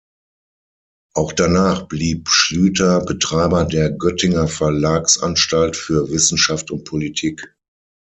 Auch danach blieb Schlüter Betreiber der "Göttinger Verlagsanstalt für Wissenschaft und Politik".